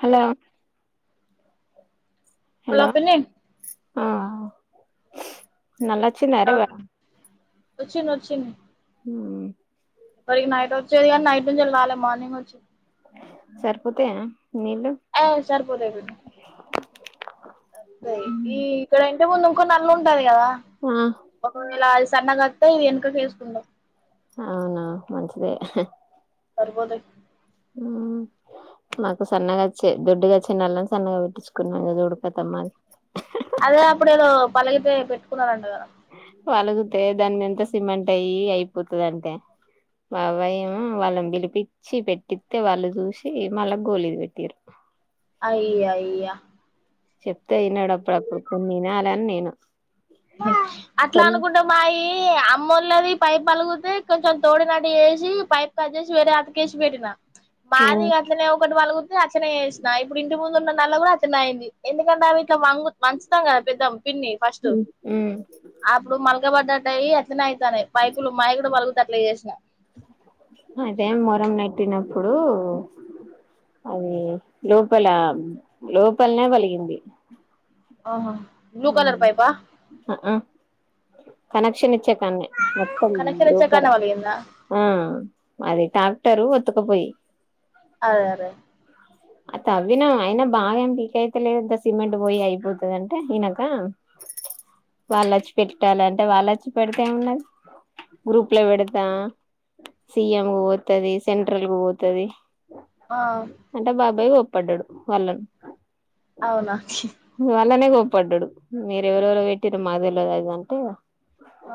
Hello hello ఆ నెలొచ్చిందారా వర వచ్చింది ఊ మరి నైట్ ఒచ్చేది గాని నైట్ నుంచి రాల మార్నింగ్ వొచ్చింది సరిపోతాయా నీళ్ళు ఆ సరిపోతాయి అంతే ఈ ఇక్కడ అంటే ముందు ఇంకో నళ్ళుంటాది కదా. ఆ ఒకవేళ అది సన్నగతే ఇవి వెనక వేసుకుంటాం అవునా మంచిదే సరిపోతాయి ఊ మాకు సన్నగా వచ్చే దొడ్డుగా వచ్చే నల్లని సన్నగా పెట్టించుకున్న ఇగ చూడు కతమది అదే అప్పుడు ఏదో పలిగితే పెట్టుకున్నరంట కదా పలుగుతే దాన్ని ఎంత సిమెంట్ అయిపోతది అంటే మా అవ్వయ్యమో వాళ్ళన్ పిలిపి చ్చి పెట్టితే వాళ్ళు చూసి మళ్ళా గోలీది పెట్టారు అయ్యయ్యా చెప్తే వినడు అప్పుడప్పుడు కొన్ని వినాలని నేను అట్లా కొన్ని అనుకుంటం మాయి అమ్మలది పైపు పలిగితే కొంచెం తోడినట్టు ఏసి పైప్ కట్ జేసి వేరె అతకేేసి పెటిిన మాది అతనే ఒకటి పలుగుతె అట్లనే చేేసిన ఇప్పుడు ఇంటి ముందు ఉన్న నల్ల కూడా అట్లనే అయింది ఎందుకంటే అవి ఇట్ వంగు వంచుతం కదా పెద్దం పిన్ని ఫస్ట్ ఊ అప్పుడు మల్లక బడ్డట్టయి అట్నే అవుతాన్నాయి పైపులు మాకుడు పలగుత అట్ల చేసిన అదే మొరం నెట్టినప్పుడు అది లోపల లోపలనే పలిగింది ఆహా బ్లూ అవును కలర్ పైపా అఆ కనెక్షన్ ఇచ్చే కన్నే మొత్తం కనెక్షన్ లోపర ఇచ్చాకనే పలిగిందా ఆ అది టాక్టరు ఒత్తుకపోయి అదే అదే అ తవ్వినం అయినా బాగా ఏం పీక అయితే లెద్ ఇంతా సిమెంట్ పోయి అయిపోతుంది అంటే ఈకు వాళ్ళు వచ్చి పెట్టాల అంటే వాళ్ళచ్చి పెడితే ఏ ఉన్నది గ్రూప్ ల వెడత సిఎం కు పోతది సెంట్రల్ కు పోతది ఆ అంటే బాబాయి ఒప్పడ్డాడు వాళ్ళను అవునా ఇ వళ్లనే గప్పడ్డడు మీరెవరెవరో పెట్టిరో రు మాకు తెల్వది అది ఇది అంటే ఆ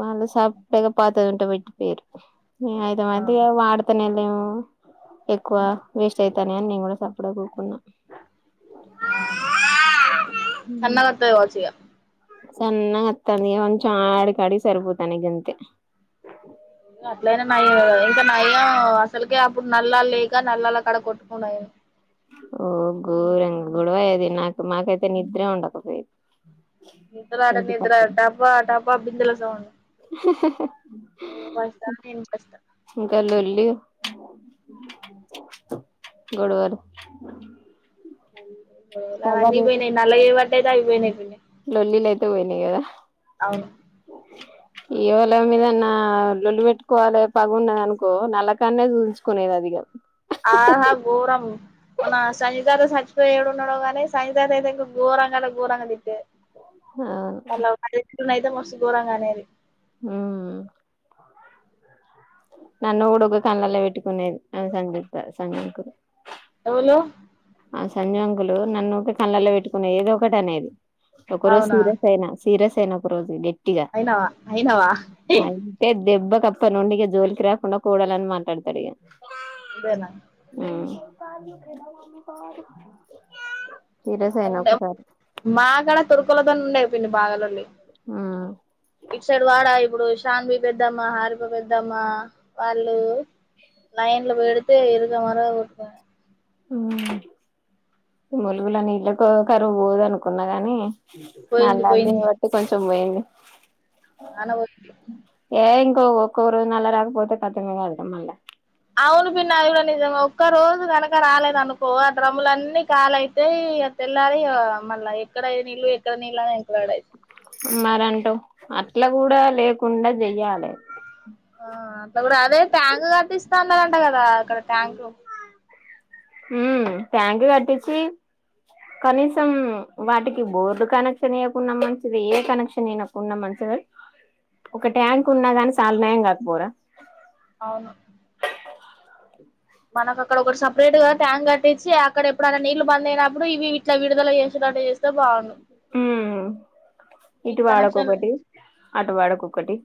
వాళ్ళ సప్పడగా పాతదుంటే పెట్టిపోయిరు ఐదు మందిగా అవునా వాడు త్తనెలేము ఎక్కువ వేస్ట్ ఐతానయ్ అని నేను కూడా సప్పుడకూకున్న సన్నగా వస్తది కావచ్చు ఇగ సన్న అత్తంది ఇగ మంచిగ అడి కాడికి సరిపోతాన గంతే అట్లనా నయ ఇంకా నయ్యం అసలుకే అప్పుడు నల్లాలు లేక నల్లలు అక్కడ కొట్టుకుండు అయ్ ఓ గోరంగ గొడవయది నాకు మాకైతే నిద్ర ఉండకపోయిది నిద్ర అట నిద్ర టబ టబా బిందల సౌండ్ స స స నువ్ ఫస్ట్ ఆ నేన్ ఫస్ట్ ఆ ఇంకా లొల్లి ఆ గొడవలు అవన్ని పగలు పోయినయ్ నల్లా చేపట్టయితె అవన్ని పోయినయ్ కొన్ని లొల్లిలయితే పోయినయ్ గదా అవును ఏవల మీదన్న లొల్లి పెట్టుకోవాలి పగున్నదనుకో నల్లకాన్నే చూసుకునేది అదిగ ఆహా గోరం మొన్న సైగరు సాచిపోయి ఏడున్నడో గానీ సైగర్ అయితే ఘోరంగ అంటే గోరంగ తిట్టేది ఆ అదేచ్చుకున్న అయితే మస్తు గోరంగనేది ఉమ్ నన్ను గుడ కళ్ళల్లో పెట్టుకునేది సంగీత సంగంకురు ఎవలు ఆ సంజు అంకులు నన్ను కళ్ళల్లో పెట్టుకునే ఏదో ఒకటనేది ఒక రోజు అవునా సీరియస్ అయిన సీరియస్ అయిన ఒక రోజు డి అయినవా అయినవా హి తే దెబ్బకి అప్ప నుండి ఏ జోలికి రకుండా కూడాలని మాట్లాడతాడు ఇయ ఇదేనా ఉమ్ సీరియస్ అయినా బాగుండే ఒకసారి మాకాడ తురుకులతోనే పిన్ని బాలుంది ఉమ్ ఇటుసైడ్ వాడా ఇప్పుడు షాన్బి పెద్దమ్మా హారిబ పెద్దమా వాళ్ళు లైన్ల పెడితే ఇరగ మరగ కొడుతుంది ఉమ్ ములుగులని ఇళ్ళకో ఒకరు ఊర అనుకున్న గాని అ పోయింది నది పోయింది ఒకటి కొంచం పోయింది నాన్న పోస్తూ ఏ ఇంకో ఒక్కొరు నల రాగపోతే కథమెగారా మల్ల అవును పిన్న అవన్ని నిజంగా ఒక్క రోజు కనుక రాలేదనుకో అసల డ్రములు అన్నీ కాలయితే య తెల్లారిగ మళ్ళ ఎక్కడ నీళ్ళు ఎక్కడ నీళ్ళ అని ఎంకులాడేది మరింటవ్ అట్ల కూడా లేకుండా చెయ్యాలే ఆ అట్ల కూడా అదే ట్యాంకు కట్టిస్తాన్నరంట కదా అక్కడ ట్యాంకు ఉమ్ ట్యాంక్ కట్టిచ్చి కనీసం వాటికి బోర్డు కనెక్షన్ ఇయకున్నా మంచిది ఏ కనెక్షన్ ఐనా ఉన్న మంచిది ఒక ట్యాంక్ ఉన్నా గాని చాల నయం కాకపోరా అవును మనకు అక్కడ ఒక సపరేట్ గా ట్యాంక్ కట్టించి అక్కడ ఎప్పుడైన నీళ్లు బంద్ అయినప్పుడు ఇవి ఇట్ల విడుదల చేసేనట్టు చేస్ స్తే బాగుండు ఉమ్ ఇటు వీటి కనెక్షన్ వాడకొకటి అటు వాడకొక్కటి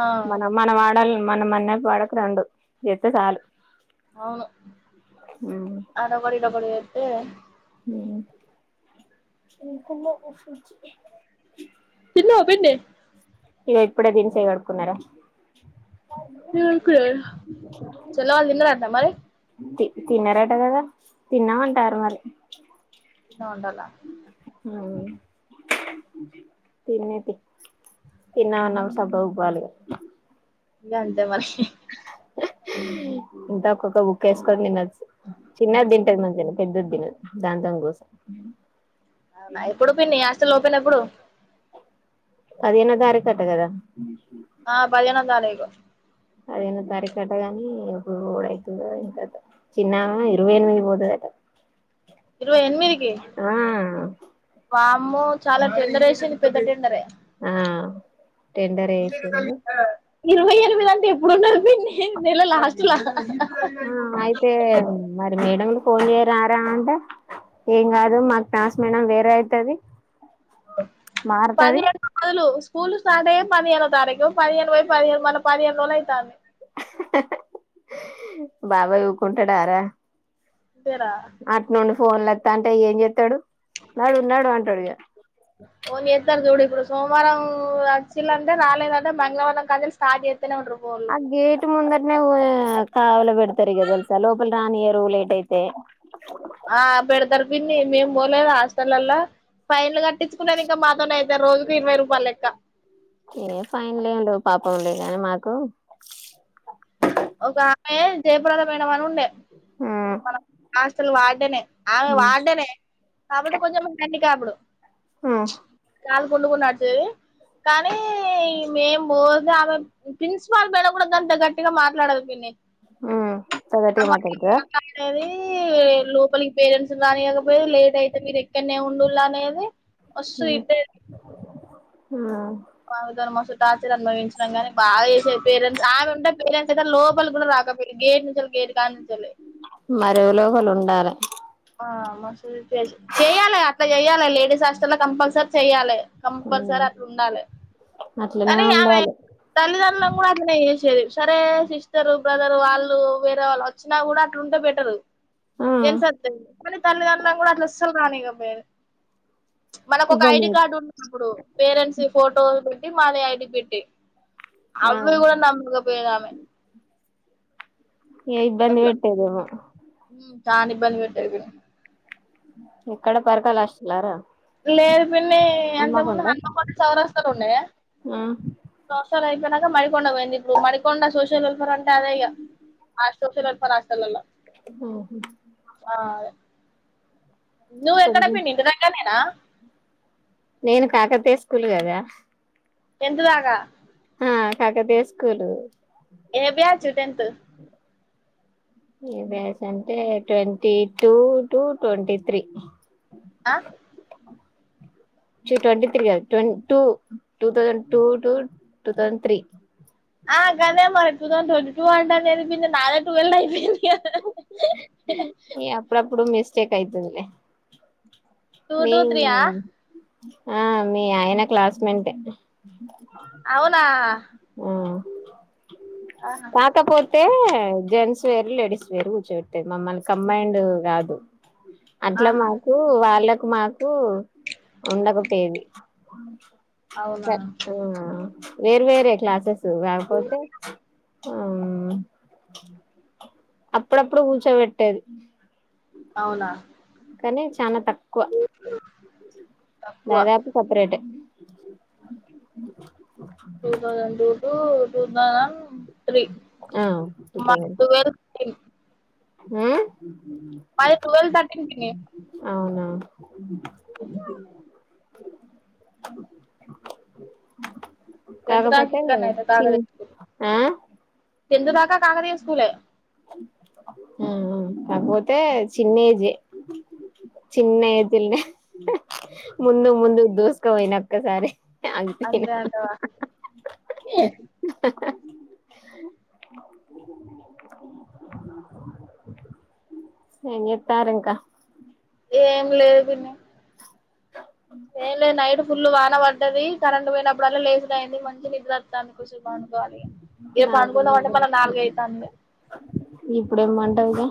ఆ మనం మనం వాడాల్ మనం మన్న వాడక రెండు ఇస్తే సాలు అవును ఆటోకటి ఇటొకటి జెతే ఎమ్ కూర అసలు చిన్ను పిండి ఇప్పుడే దీన్సే కడుకున్నరా పెదబాపు తిన్నదట్న మరి తి తిన్నరట కదా తిన్న అంటారు మరి ఇమోన్డల ఉమ్ తినేటి తిన్న అన్నా సబ్బు ఉబ్బాలి గంతే మర్ ఇంత ఒక్కొక్క బుక్క వేసుకొని తినొచ్చు చిన్నది తింటది మంచిగానే పెద్దది తినదు దాంతోనే గోస ఎప్పుడు పిన్ని హాస్టల్ ఓపెన్ ఎప్పుడు పదిహేనో తారికట్ట కదా ఆ పదిహేనో తారీకు పదిహేనో తరికట్ట గాని ఎప్పుడు పోవుడైతదో ఏం కతో చిన్నమే ఇరవైఎనిమిదికి పోతదట ఇరవై ఎనిమిదికి ఆ వామ్మో చాలా టెండరేసింది పెద్దటెండరే ఆ టెండర్ ఏ వేసింది ఇరవై ఎనిమిది అంటే ఎప్పుడున్నది పిన్నీ నెల లాస్ట్ ల ఆ అయితే మరి మేడం కు ఫోన్ చేయరార అంటే ఏం గాదు మా క్లాస్ మేడం వేరే అయితది మారుతది పదిహేడు రోజులు స్కూల్ స్టార్ట్ అయి పదిహేనో తారీఖు పదిహేను పోయి పదిహేను మల్ల పదిహేను రోజులు అయితంది బాబాయి ఊకుంటడారా అంతేరా అట్ నుండి ఫోన్లు ఒత్తాంటే ఏం చెత్తడు నడువు నడు అంటాడు ఇగ ఫోన్ చెత్తరు చూడు ఇప్పుడు సోమవారం వచ్చిల్లంటే రాలేదంటే మంగళవారం కాంచెలి స్టార్ట్ చేత్తనే ఉంటరు ఫోన్లు ఆ గేట్ ముందట్నే కావలి పెడతారు ఇగ తెల్సా లోపలి రానియరు లేట్ అయితే ఆ పెడతరు పిన్ని మేం పోలేద హాస్టలల్ల పైన్లు కట్టించుకునేది ఇంకా మాతోని అయితే రోజుకు ఇరవై రూపాయలు లెక్క ఏ ఫైన్ లేం ఉండవ్ పాపం లే కానీ మాకు ఒకామె జయప్రద మేడం అని ఉండే ఆ హాస్టల్ వార్డెనే ఆమె వార్డెనే కాపోతే కొంచెం హ్యాండ్ క్యాపుడు కాలు కుంటుకుంట నడిసేది కానీ మేం పోతే ఆమె ప్రిన్సిపాల్ మేడం కూడా గంత గట్టిగా మా ట్లాడదు పిన్నీ ఆ అంత గట్టిగ మాట్లాడతద తది లోపలికి పేరెంట్స్ ని రానియ్యక పోయేది లేట్ అయితే మీరు ఇక్కడనే ఉండుల్లనేది ఉమ్ ఆ ఆమెతోని మస్త్ టార్చర్ అనుభవించినం కాని బాగా చేసేది పేరెంట్స్ ఆమె ఉంటే పేరెంట్స్ అయితే లోపలికి కూడా రాక గేట్ నుంచెలి గేట్ కానుంచేలే మరి ఎవలోకలు ఉండాలె ఆ చెయ్యాలె అట్లా చెయ్యాలె లేడీస్ హాస్టళ్ల కంపల్సరీ చెయ్యాలె కంపల్సరి అట్లుండాలె అట్లనే కానీ ఆమె ఉండాలి తల్లిదండ్రులను కూడా అట్లనే చేసేది సరే సిస్టరు బ్రదరు వాళ్ళు వేరే వాళ్ళు వ వచ్చినా కూడా అట్లుంటే బెటరు ఆ జెంట్స్ వస్తె కానీ తల్లిదండ్రులను కూడా అట్లా అస్సలు రానియకపోయేది మనకు ఒక ఐడి ఇబ్బంది కార్డు ఉంటదప్పుడు పేరెంట్స్ ఫోటో పెట్టి మాది ఐడి పెట్టి ఆ అవ్వి కూడా నమ్మక పోయేదామె ఇగ ఇబ్బంది పెట్టేదేమో దాని ఇబ్బంద్ పెట్టేది ఎక్కడ పర్కాల హాస్టలర లేదు పిన్ని అంత ముందు హనుమకొండ చౌరస్తాలుండే ఆ సోషల్ అయిపోయినాక మడికొండ పోయింది ఇప్పుడు మడికొండ సోషల్ వెల్ఫేర్ అంట అదే ఇగ హాస్టల్లల్ల ఆ నువ్వు ఎక్కడ కొంచెం పిన్నీ ఇంటి దగ్గర్నేన నేను కాకతీయ స్కూల్ కదా టెన్త్ దాక ఆ కాకతీయ స్కూలు ఏ బ్యాచు టెన్త్ ఏ బ్యాచ్ అంటే twenty two to twenty three అ [unintelligible] చీ ట్వంటీ త్రీ కాదు twine two two thousand two two two thousand three. ఆ గదే మరి టూ థౌసండ్ ట్వంటీ టూ అంటాదేది పిన్ని నాదే టూ వెల్ అయిపోయింది కదా. అప్పుడు అప్పుడు మిస్టేక్ అయితుంది టూ మీ టూ త్రీ ఆ ఆ మీ ఆయన క్లాస్ మెంటే. అవునా ఆ ఆహా కాకపో తే జెంట్స్ వేరు లేడీస్ వేరు కూర్చోబెట్టే మమ్మల్ని కంబైండ్ కాదు. అట్లా ఆహా మాకు వాళ్ళకు మాకు ఉండక పోయేది. అవునా ఆ వేరు వేరే క్లాసేస్ రాపోతే. ఆ అప్పుడప్పుడు కూర్చోబెట్టేది. అవున. కానీ చాన తక్కువ తక్కువ దాదాపు సపరేటే. [unintelligible] Two thousand two two two thousand three ఆ మా టువెల్. హ్మ్మ్ మాది టు వెల్ తటీన్ పిన్ని. అవున. కా. [unintelligible] టెన్ త్ దాకా కాకపోతే ఇక్కడనే చి కాకతీయ స్కూలు ఆ టెన్ త్ దాకా కాకతీయ స్కూల్లో. మ్ మ్ కాకపోతే చిన్నేజే చిన్న ఏజ్ పిల్నే ముందు ముందు దూసుకోపోయిన ఒక్కసారి. ఆగిపోయినా అంతే అంటావా. ఆ ఆ. [unintelligible] ఏం చేస్తారు ఇంకా. ఏం లేదు పిన్ని. హా [unintelligible] ఏం లేదు నైట్ ఫుల్ వాన పడ్డది కరెంట్ పోయినప్పుడల్లా లేసుడు అయింది మంచి నిద్ర. తన్ కుసిగా పండుకోవాలి ఇగ నాకు పండుకుందాంమంటే మళ్ళా నాలుగయితాంది. ఇప్పుడు ఏం మంటంది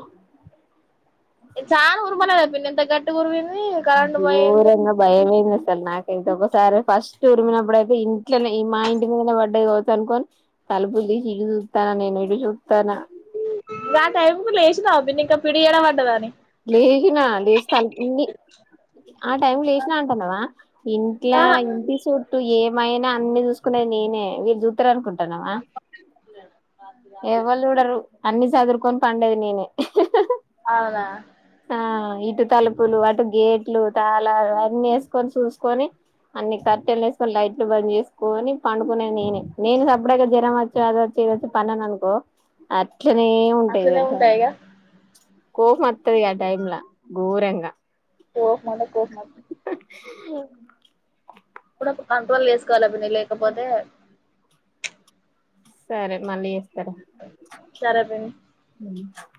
చాలా ఉర్మలేదా పిన్ని ఎంత గట్టిగా ఉరిమింది కరెంట్ పోయింది. చిన్న భయం అయింది అసలు నాకే. అయితే ఒకసారి ఫస్ట్ ఉరిమినప్పుడయితే ఇంట్లోనే మా ఇంటి ముందనే పడ్డది కావచ్చు అనుకోని. తలుపులు తీసి ఇటు చూత్తాన నేను ఇటు చూత్తాన. గ టైం కు లేచినావు పిన్ని ఇంకా పిడుగు ఏడ పడ్డది అన్ని. లేచినా లేచి తలుపు ఆ టైం లేచినా అంటాన్నావా. ఇంట్లా ఆహా ఇంటి చుట్టు ఏమైనా అన్ని చూసుకునేది నేనే వీళ్ళు చూ స్తారు అనుకుంటాన్నావా ఎవలు చూడరు అన్ని సదురుకొని పండేది నేనే అవున ఆ ఇటు తలుపులు అటు గేట్లు తాళాలు అన్నీ వేసుకొని చూసుకొని అన్ని కర్టెన్లు వేసుకొని లైట్లు బంద్ చేసుకొని పండుకునేది నేనే నేను [unintelligible] జ్వరం అది వచ్చి ఇది వచ్చి పన్నననుకో అట్లానే. ఉంటాయి అట్లనే తెలుసా ఇగ కోపం వత్తది ఆ టైమ్లా ఘోరంగా కోపం అంటే కోపం వస్ ఆ. అప్పుడప్పుడు కంట్రోల్ చేసుకోవాల పిన్ని లేకపోతే సరే మళ్ళీ చేస్తారా సరే పిన్నీ [inaudible]